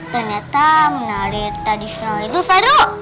ternyata menari tradisional itu seru